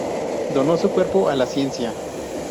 Donó su cuerpo a la ciencia.